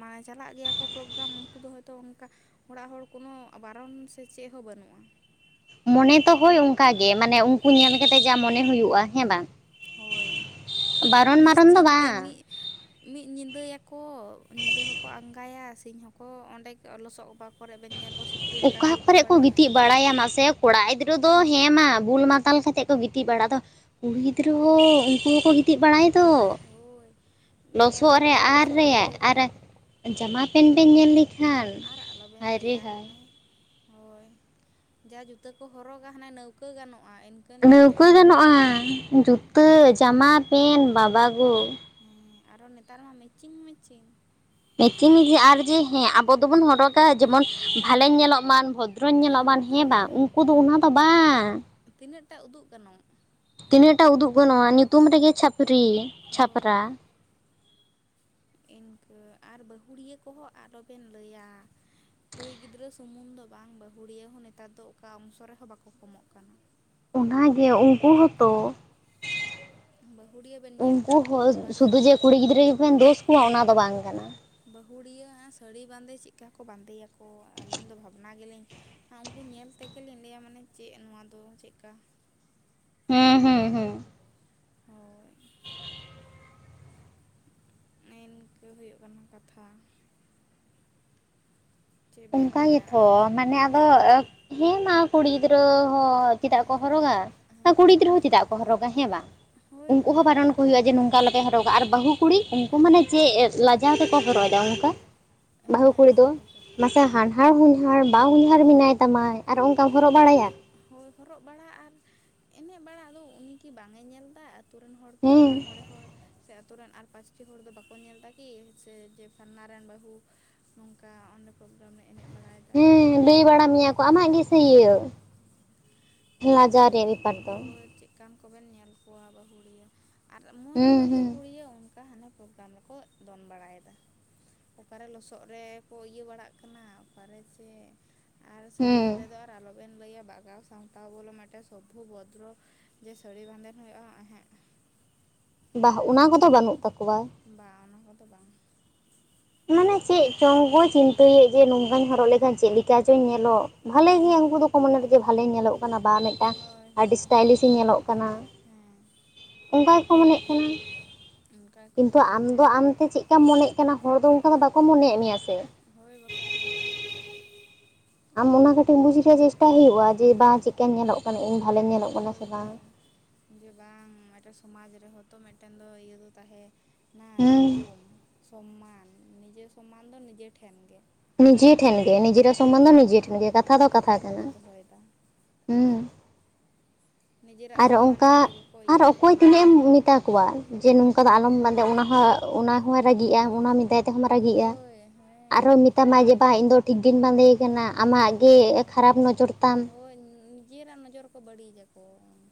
ᱢᱟᱱᱮ ᱪᱟᱞᱟᱜ ᱜᱮᱭᱟ ᱠᱚ ᱯᱨᱳᱜᱨᱟᱢ ᱾ ᱩᱱᱠᱩ ᱫᱚ ᱦᱚᱭᱛᱚ ᱚᱱᱠᱟ᱾ ᱚᱲᱟᱜ ᱦᱚᱲ ᱠᱳᱱᱳ ᱵᱟᱨᱚᱱ ᱥᱮ ᱪᱮᱫ ᱦᱚᱸ ᱵᱟᱹᱱᱩᱜᱼᱟ᱾ ᱢᱚᱱᱮ ᱛᱚ ᱦᱳᱭ ᱚᱱᱠᱟᱜᱮ, ᱢᱟᱱᱮ ᱩᱱᱠᱩ ᱧᱮᱞ ᱠᱟᱛᱮᱜ ᱡᱟ ᱢᱚᱱᱮ ᱦᱩᱭᱩᱜᱼᱟ, ᱦᱮᱸ ᱵᱟᱝ? ᱦᱳᱭ ᱟᱨ ᱵᱟᱨᱚᱱ ᱢᱟᱨᱚᱱ ᱫᱚ ᱱᱤᱥᱪᱤᱱ ᱛᱮ ᱵᱟᱝ ᱢᱤᱫ ᱢᱤᱫ ᱧᱤᱫᱟᱹᱭᱟᱠᱚ, ᱧᱤᱫᱟᱹ ᱦᱚᱸᱠᱚ ᱟᱸᱜᱟᱭᱟ᱾ ᱥᱤᱧ ᱦᱚᱸᱠᱚ ᱚᱸᱰᱮ ᱞᱚᱥᱚᱜ ᱚᱵᱟ ᱠᱚᱨᱮ ᱵᱮᱧᱮᱞ ᱠᱚ ᱥᱩ ᱚᱠᱟ ᱠᱚᱨᱮ ᱠᱚ ᱜᱤᱛᱤᱡ ᱵᱟᱲᱟᱭ-ᱟ ᱾ᱢᱟ ᱥᱮ ᱠᱚᱲᱟ ᱜᱤᱫᱽᱨᱟᱹ ᱫᱚ ᱦᱮᱸ ᱢᱟ, ᱵᱩᱞ ᱢᱟᱛᱟᱞ ᱠᱟᱛᱮ ᱠᱚ ᱜᱤᱛᱤᱡ ᱵᱟᱲᱟ ᱫᱚ᱾ ᱠᱩᱲᱤ ᱜᱤᱫᱽᱨᱟᱹ ᱦᱚᱸ ᱩᱱᱠᱩ ᱦᱚᱸᱠᱚ ᱜᱤᱛᱤᱡ ᱵᱟᱲᱟᱭ ᱫᱚ᱾ ᱦᱳᱭ ᱧᱮᱞ ᱞᱚᱥᱚᱫ ᱠᱟᱜ ᱨᱮ ᱟᱨ ᱞᱚᱥᱚᱫ ᱤᱭᱟᱹ ᱨᱮ᱾ ᱟᱨ ᱡᱟᱢᱟ ᱯᱮᱱᱴ ᱵᱮᱱ ᱧᱮᱞ ᱞᱮᱠᱷᱟᱱ ᱟᱨ ᱟᱞᱚᱵᱮᱱ ᱾ᱦᱟᱭ ᱨᱮ ᱞᱟᱹᱭᱟ ᱦᱟᱭ! ᱦᱟᱱᱮ ᱦᱳᱭ, ᱡᱟ ᱡᱩᱛᱟᱹ ᱠᱚ ᱦᱚᱨᱚᱜᱟ ᱾ᱦᱟᱱᱮ ᱱᱟᱹᱣᱠᱟᱹ ᱜᱟᱱᱚᱜᱼᱟ᱾ ᱤᱱᱠᱟᱹᱱ ᱡᱩᱛᱟᱹ ᱞᱟᱹᱣᱠᱟᱹ ᱵᱟᱵᱟᱨᱮ ᱜᱟᱱᱚᱜᱼᱟ᱾ ᱵᱟᱵᱟ ᱡᱩᱛᱟᱹ ᱡᱟᱢᱟ, ᱯᱮᱱᱴ, ᱵᱟᱵᱟᱜᱳ! ᱦᱮᱸ ᱟᱨᱚ ᱱᱮᱛᱟᱨ ᱢᱟ ᱢᱮᱪᱤᱝ ᱢᱮᱪᱤᱝ ᱢᱮᱪᱤᱝ ᱢᱮ ᱟᱨ ᱡᱮ ᱦᱮᱸ ᱟᱵᱚ ᱫᱚᱵᱚᱱ ᱦᱚᱨᱚᱜᱼᱼ ᱚᱱᱠᱟ ᱡᱮᱢᱚᱱ ᱵᱷᱟᱞᱮᱧ ᱧᱮᱞᱚᱜ ᱢᱟ ᱵᱷᱚᱫᱫᱨᱚᱧ ᱧᱮᱞᱚᱜ ᱢᱟ ᱦᱮᱸ ᱵᱟᱝ ᱩᱱᱠᱩ ᱫᱚ ᱚᱱᱟ ᱫᱚ ᱵᱟᱝᱼᱼ ᱛᱤᱱᱟᱹᱜ ᱴᱟ ᱩᱫᱩᱜ ᱜᱟᱱᱚᱜ, ᱛᱤᱱᱟᱹᱜᱴᱟ ᱩᱫᱩᱜ ᱜᱟᱱᱚᱜᱼᱟ ᱧᱩᱛᱩᱢ ᱨᱮᱜᱮ ᱪᱷᱟᱹᱯᱨᱤ ᱦᱳᱭ ᱪᱷᱟᱹᱯᱨᱟ ᱤᱱᱠᱟᱹ ᱟᱨ ᱵᱟᱹᱦᱩᱲᱤᱭᱟᱹ ᱠᱚᱦᱚᱸ ᱟᱞᱚ ᱵᱮᱱ ᱞᱟᱹᱭᱟ᱾ ᱠᱩᱲᱤ ᱜᱤᱫᱽᱨᱟᱹ ᱥᱩᱢᱩᱝ ᱫᱚ ᱵᱟᱝ ᱵᱟᱹᱦᱩᱲᱤᱭᱟᱹ ᱦᱚᱸ ᱱᱮᱛᱟᱨ ᱫᱚ ᱚᱠᱟ ᱚᱝᱥᱚ ᱨᱮᱦᱚᱸ ᱵᱟᱠᱚ ᱠᱚᱢᱚᱜ ᱠᱟᱱᱟ᱾ ᱚᱱᱟ ᱜᱮ ᱩᱱᱠᱩ ᱦᱚᱸ ᱛᱚᱼᱼ ᱵᱟᱹᱦᱩᱲᱤᱭᱟᱹ ᱵᱮᱱ ᱧᱮᱞ ᱩᱱᱠᱩ ᱠᱟᱜ ᱠᱚᱣᱟ ᱦᱚᱸ ᱵᱟᱵᱟᱨᱮ ᱥᱩᱫᱩ ᱡᱮ ᱠᱩᱲᱤ ᱜᱤᱫᱽᱨᱟᱹ ᱜᱮᱵᱚᱱ ᱫᱳᱥ ᱠᱚᱣᱟ ᱚᱱᱟ ᱫᱚ ᱵᱟᱝ ᱠᱟᱱᱟ᱾ ᱵᱟᱹᱦᱩᱲᱤᱭᱟᱹ ᱥᱟᱹᱲᱤ ᱵᱟᱸᱫᱮ ᱪᱮᱫ ᱠᱟ ᱠᱚ ᱵᱟᱸᱫᱮᱭᱟᱠᱚ ᱟᱹᱞᱤᱧ ᱫᱚ ᱵᱷᱟᱵᱱᱟᱼᱼ ᱚᱱᱟ ᱜᱮᱞᱤᱧ ᱩᱱᱠᱩ ᱧᱮᱞ ᱛᱮᱜᱮ ᱞᱤᱧ ᱞᱟᱹᱭᱟ ᱢᱟᱱᱮ ᱪᱮᱫ ᱱᱚᱣᱟ ᱫᱚ ᱪᱮᱫ ᱞᱮᱠᱟᱼᱼ ᱦᱮᱸ ᱦᱮᱸᱼᱼ ᱦᱳᱭ ᱱᱮ ᱤᱱᱠᱟᱹ ᱦᱩᱭᱩᱜ ᱠᱟᱱᱟ ᱠᱟᱛᱷᱟ᱾ ᱪᱮᱫ ᱵᱮᱱ ᱚᱱᱠᱟ ᱞᱟᱹᱭᱟ ᱜᱮᱛᱚ ᱢᱟᱱᱮ ᱟᱫᱚ ᱦᱮᱸ ᱢᱟ ᱠᱩᱲᱤ ᱜᱤᱫᱽᱨᱟᱹ ᱦᱚᱸᱼᱼ ᱪᱮᱫᱟᱜ ᱠᱚ ᱦᱮᱸ ᱦᱚᱨᱚᱜᱟ ᱦᱮᱸ ᱠᱩᱲᱤ ᱜᱤᱫᱽᱨᱟᱹ ᱦᱚᱸ ᱪᱮᱫᱟᱜ ᱠᱚ ᱦᱚᱨᱚᱜᱟ ᱦᱮᱸ ᱵᱟᱝ ᱦᱳᱭ ᱩᱱᱠᱩ ᱦᱚᱸ ᱵᱟᱠᱷᱟᱡ ᱫᱚ ᱵᱟᱨᱚᱱ ᱠᱚ ᱦᱩᱭᱩᱜᱼᱟ ᱡᱮᱼᱼ ᱚᱱᱠᱟ ᱞᱮᱠᱟ ᱦᱚᱨᱚᱜᱟ ᱟᱨ ᱵᱟᱹᱦᱩ ᱠᱩᱲᱤ ᱩᱱᱠᱩ ᱢᱟᱱᱮ ᱪᱮᱫᱼᱼ ᱞᱟᱡᱟᱣ ᱛᱮᱠᱚ ᱦᱚᱨᱚᱜ ᱮᱫᱟ ᱚᱱᱠᱟ ᱦᱮᱸ ᱵᱟᱹᱦᱩ ᱠᱩᱲᱤ ᱫᱚ᱾ ᱥᱟᱹᱨᱤ ᱠᱟᱛᱷᱟ ᱢᱟᱥᱮ ᱦᱟᱱᱦᱟᱨ ᱦᱚᱧᱦᱟᱨ ᱵᱟᱦᱚᱧᱦᱟᱨ ᱢᱮᱱᱟᱭ ᱛᱟᱢᱟᱭ ᱟᱨ ᱚᱱᱠᱟᱢ ᱦᱚᱨᱚᱜ ᱵᱟᱲᱟᱭᱟ᱾ ᱦᱚᱭ ᱦᱚᱨᱚᱜ ᱵᱟᱲᱟᱜ ᱟᱨ ᱮᱱᱮᱡ ᱵᱟᱲᱟᱜ ᱟᱫᱚ ᱩᱱᱤ ᱠᱤ ᱵᱟᱝ ᱮ ᱧᱮᱞ ᱮᱫᱟᱼᱼ ᱟᱹᱛᱩ ᱨᱮᱱ ᱦᱚᱲ ᱜᱮ ᱟᱹᱛᱩ ᱦᱮᱸ ᱢᱚᱬᱮ ᱦᱚᱲᱼᱼ ᱥᱮ ᱟᱛᱳ ᱨᱮᱱ ᱟᱨ ᱯᱟᱸᱪᱴᱤ ᱦᱚᱲ ᱫᱚ ᱵᱟᱠᱚ ᱧᱮᱞ ᱫᱟ ᱠᱤ ᱥᱮ ᱡᱮ ᱯᱷᱟᱨᱱᱟ ᱨᱮᱱ ᱵᱟᱹᱦᱩᱼᱼ ᱱᱚᱝᱠᱟ ᱚᱸᱰᱮ ᱯᱨᱚᱜᱨᱟᱢ ᱨᱮ ᱮᱱᱮᱡ ᱵᱟᱲᱟᱭ ᱮᱫᱟᱭ ᱦᱮᱸ ᱟᱨ ᱚᱱᱟ ᱞᱟᱹᱭ ᱦᱚᱸ ᱵᱟᱲᱟ ᱢᱮᱭᱟ ᱠᱚ ᱟᱢᱟᱜ ᱜᱮᱥᱮ ᱦᱚᱸᱼᱼ ᱤᱭᱟᱹ ᱪᱮᱫᱟ ᱞᱟᱡᱟᱣ ᱠᱟᱱ ᱨᱮᱭᱟᱜ ᱵᱮᱯᱟᱨ ᱫᱚ ᱦᱚᱭ ᱪᱮᱫᱼᱼ ᱪᱮᱫ ᱠᱟᱱ ᱠᱚᱵᱮᱱ ᱧᱮᱞ ᱠᱚᱣᱟ ᱵᱟᱹᱦᱩᱲᱤᱭᱟᱹ ᱟᱨ ᱢᱚᱡᱽ ᱦᱩᱸ ᱢᱚᱡᱽ ᱦᱩᱸ ᱵᱟᱹᱦᱩᱲᱤᱭᱟᱹ ᱚᱱᱼᱼ ᱚᱱᱠᱟ ᱦᱟᱱᱟ ᱯᱨᱳᱜᱨᱟᱢ ᱨᱮᱠᱚ ᱫᱚᱱ ᱵᱟᱲᱟᱭ ᱮᱫᱟ᱾ ᱚᱠᱟ ᱨᱮ ᱞᱚᱥᱚᱫ ᱨᱮᱠᱚ ᱤᱭᱟᱹ ᱵᱟᱲᱟᱜ ᱠᱟᱱᱟ ᱚᱠᱟ ᱨᱮ ᱪᱮ? ᱟᱨ ᱥᱟᱹᱲᱤ ᱦᱩᱸ ᱵᱟᱸᱫᱮ ᱫᱚ ᱟᱨ ᱟᱞᱚ ᱵᱮᱱ ᱞᱟᱹᱭᱟ ᱵᱟᱜᱟᱣ ᱥᱟᱶᱛᱮᱼᱼ ᱛᱟᱣ ᱵᱚᱞᱮ ᱢᱮᱴᱮᱱ ᱥᱚᱵᱩ ᱵᱚᱫᱨᱚ ᱡᱮ ᱥᱟᱹᱲᱤ ᱵᱟᱸᱫᱮᱱ ᱦᱩᱭᱩᱜᱼᱟ ᱮᱸᱦᱮᱜ ᱵᱟᱦ ᱚᱱᱟ ᱠᱚᱫᱚ ᱵᱟᱹᱱᱩᱜ ᱛᱟᱠᱚᱣᱟ᱾ ᱵᱟᱝ ᱚᱱᱟ ᱠᱚᱫᱚ ᱵᱟᱝ᱾ ᱢᱟᱱᱮ ᱪᱮᱫ ᱪᱚᱝ ᱠᱚ ᱪᱤᱱᱛᱟᱹᱭ ᱮᱫ ᱡᱮ ᱱᱚᱝᱠᱟᱧ ᱦᱚᱨᱚᱜ ᱞᱮᱠᱷᱟᱱ ᱪᱮᱫ ᱞᱮᱠᱟ ᱪᱚᱧ ᱧᱮᱞᱚᱜ᱾ ᱵᱷᱟᱞᱤ ᱜᱮ ᱩᱱᱠᱩ ᱫᱚᱠᱚ ᱢᱚᱱᱮ ᱵᱷᱟᱞᱮᱧ ᱧᱮᱞᱚᱜ ᱠᱟᱱᱟ ᱵᱟ ᱢᱤᱫᱴᱟᱝ ᱦᱳᱭ ᱟᱹᱰᱤ ᱦᱳᱭ ᱦᱳᱭ ᱥᱴᱟᱭᱞᱤᱥ ᱤ ᱧᱮᱞᱚᱜ ᱠᱟᱱᱟ᱾ ᱦᱮᱸ ᱚᱱᱠᱟ ᱜᱮᱠᱚ ᱢᱚᱱᱮᱫ ᱠᱟᱱᱟ ᱚᱱᱠᱟ ᱜᱮᱠᱚ ᱠᱤᱱᱛᱩ ᱢᱚᱱᱮᱜ ᱟᱢ ᱠᱟᱱᱟ ᱫᱚ ᱠᱚ ᱟᱢᱛᱮ ᱪᱮᱫᱼᱼ ᱪᱮᱠᱟᱢ ᱢᱚᱱᱮᱫ ᱠᱟᱱᱟ ᱦᱚᱲ ᱫᱚ ᱚᱱᱠᱟ ᱫᱚ ᱵᱟᱠᱚ ᱢᱚᱱᱮᱭ ᱮᱫ ᱢᱮᱭᱟ ᱥᱮ᱾ ᱦᱳᱭ ᱵᱟᱠᱷᱟᱡ ᱫᱚ᱾ ᱟᱢ ᱚᱱᱟ ᱠᱟᱹᱴᱤᱡ ᱵᱩᱡᱽ ᱨᱮᱭᱟᱜ ᱪᱮᱥᱴᱟᱭ ᱦᱩᱭᱩᱜᱼᱟ ᱡᱮ ᱵᱟᱝ ᱪᱤᱠᱟᱹ ᱧᱮᱞᱚᱜ ᱠᱟᱱᱟ ᱤᱧ ᱵᱷᱟᱞᱮ ᱧᱮᱞᱚᱜ ᱠᱟᱱᱟ ᱦᱳᱭ ᱥᱮ ᱵᱟᱝ? ᱦᱳᱭ ᱡᱮ ᱵᱟᱝ ᱢᱤᱫᱴᱮᱱ ᱥᱚᱢᱟᱡᱽ ᱨᱮᱦᱚᱸ ᱛᱚ ᱢᱤᱫᱴᱮᱱ ᱫᱚ ᱤᱭᱟᱹ ᱫᱚ ᱛᱟᱦᱮᱱᱟ ᱦᱩᱸ ᱧᱩᱛᱩᱢ᱾ ᱥᱚᱢᱢᱟᱱ ᱱᱤᱡᱮ ᱥᱚᱢᱢᱟᱱ ᱫᱚ ᱱᱤᱡᱮ ᱴᱷᱮᱱ ᱜᱮ᱾ ᱱᱤᱡᱮ ᱴᱷᱮᱱ ᱜᱮ ᱱᱤᱡᱮᱨᱟᱜ ᱟᱫᱚ ᱥᱚᱢᱢᱟᱱ ᱫᱚ ᱱᱤᱡᱮ ᱚᱱᱟ ᱴᱷᱮᱱ ᱜᱮ ᱠᱟᱛᱷᱟ ᱵᱟᱠᱚ ᱫᱚ ᱠᱟᱛᱷᱟ ᱵᱚᱡᱟᱭ ᱠᱟᱱᱟ ᱵᱟᱠᱚ ᱫᱚᱦᱚᱭᱮᱫᱟ ᱦᱮᱸ ᱱᱤᱡᱮᱨᱟᱜ ᱟᱨ ᱥᱚᱢᱟᱱ ᱚᱱᱠᱟ ᱱᱤᱡᱮ ᱜᱮᱠᱚ ᱟᱨ ᱚᱠᱚᱭ ᱤᱭᱟᱹᱭᱮᱫᱟ ᱛᱤᱱᱟᱹᱜᱼ ᱮᱢ ᱢᱮᱛᱟ ᱠᱚᱣᱟ᱾ ᱡᱮ ᱱᱚᱝᱠᱟ ᱫᱚ ᱟᱞᱚᱢ ᱵᱟᱸᱫᱮ ᱚᱱᱟ ᱦᱚᱸ ᱚᱱᱟ ᱦᱚᱸᱭ ᱨᱟᱹᱜᱤᱜᱼᱟ ᱚᱱᱟ ᱢᱤᱫ ᱛᱟᱭ ᱛᱮᱦᱚᱢ ᱨᱟᱹᱜᱤᱜᱼᱟ᱾ ᱦᱳᱭ ᱟᱨᱦᱚᱸ ᱦᱮᱸ ᱢᱮᱛᱟᱢᱟ ᱡᱮ ᱵᱟᱝ ᱤᱧ ᱫᱚ ᱴᱷᱤᱠ ᱜᱮ ᱤᱧ ᱵᱟᱸᱫᱮᱭ ᱟᱠᱟᱱᱟ ᱟᱢᱟᱜ ᱜᱮ ᱠᱷᱟᱨᱟᱯ ᱱᱚᱡᱚᱨ ᱛᱟᱢ᱾ ᱦᱚᱭ ᱱᱤᱡᱮᱨᱟᱜ ᱱᱚᱡᱚᱨᱼᱼ ᱠᱚ ᱵᱟᱹᱲᱤᱡ ᱟᱠᱚ,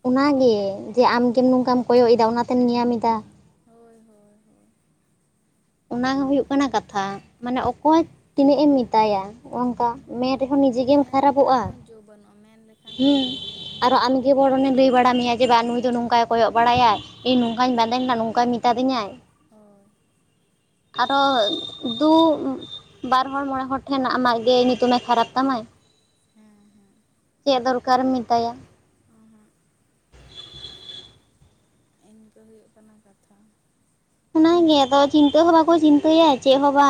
ᱚᱱᱟ ᱜᱮ, ᱡᱮ ᱟᱢ ᱜᱮᱢ ᱱᱚᱝᱠᱟᱢ ᱠᱚᱭᱚᱜ ᱮᱫᱟ ᱚᱱᱟ ᱛᱮᱢ ᱧᱮᱞ ᱧᱟᱢ ᱮᱫᱟ᱾ ᱦᱳᱭ ᱦᱳᱭ ᱦᱳ ᱚᱱᱟ ᱦᱚᱸ ᱦᱩᱭᱩᱜ ᱠᱟᱱᱟ ᱠᱟᱛᱷᱟ, ᱢᱟᱱᱮ ᱚᱠᱚᱭ ᱛᱤᱱᱟᱹᱜ ᱮᱢ ᱢᱮᱛᱟᱭᱟ᱾ ᱚᱝᱠᱟ ᱢᱮᱱ ᱨᱮᱦᱚᱸ ᱱᱤᱡᱮ ᱜᱮᱢ ᱠᱷᱟᱨᱟᱯᱚᱜᱼᱟ᱾ ᱡᱟᱹᱣ ᱵᱟᱹᱱᱩᱜᱼᱟ ᱢᱮᱱ ᱞᱮ ᱦᱩᱸ, ᱟᱨᱚ ᱟᱢᱜᱮ ᱵᱚᱨᱚᱱᱮ ᱞᱟᱹᱭ ᱵᱟᱲᱟ ᱢᱮᱭᱟ ᱡᱮ ᱵᱟᱝ ᱱᱩᱭ ᱫᱚ ᱱᱚᱝᱠᱟᱭ ᱠᱚᱭᱚᱜ ᱵᱟᱲᱟᱭᱟᱭ, ᱤᱧ ᱱᱚᱝᱠᱟᱧ ᱵᱟᱸᱫᱮᱱᱟ ᱱᱚᱝᱠᱟᱭ ᱢᱮᱛᱟ ᱫᱤᱧᱟᱭ᱾ ᱦᱳᱭ᱾ ᱟᱨᱚ ᱫᱩ ᱵᱟᱨ ᱦᱚᱲ ᱢᱚᱬᱮ ᱦᱚᱲ ᱴᱷᱮᱱ ᱟᱢᱟᱜ ᱜᱮ ᱧᱩᱛᱩᱢᱮ ᱠᱷᱟᱨᱟᱯ ᱛᱟᱢᱟᱭ᱾ ᱦᱮᱸ ᱦᱮᱸ᱾ ᱪᱮᱫ ᱫᱚᱨᱠᱟᱨᱮᱢ ᱢᱮᱛᱟᱭᱟ᱾ ᱚᱸ ᱦᱚᱸᱜ᱾ ᱱᱮᱜ-ᱮ ᱱᱤᱝᱠᱟᱹ ᱦᱩᱭᱩᱜ ᱠᱟᱱᱟ ᱠᱟᱛᱷᱟ᱾ ᱚᱱᱟ ᱜᱮ ᱵᱟᱝ ᱟᱫᱚ ᱪᱤᱱᱛᱟᱹ ᱦᱚᱸ ᱵᱟᱠᱚ ᱪᱤᱱᱛᱟᱹᱭᱟ ᱪᱮᱫ ᱦᱚᱸ ᱵᱟ